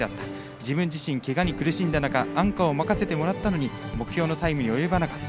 自分自身、けがに苦しんだ中アンカーを任せてもらったのに目標のタイムに及ばなかった。